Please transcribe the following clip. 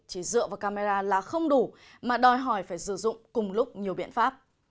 chỉ dựa vào camera là không đủ mà đòi hỏi phải sử dụng cùng lúc nhiều biện pháp